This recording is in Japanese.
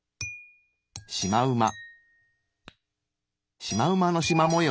シマウマ。